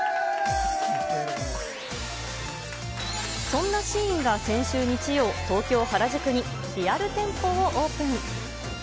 そんなシーインが先週日曜、東京・原宿にリアル店舗をオープン。